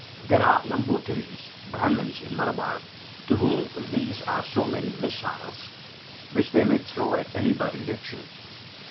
There are Nambutiris (Brahmans) in Malabar to whom these are so many missiles, which they may throw at anybody they choose.